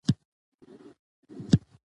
دوکاندار د نوو کارونو زدهکړه کوي.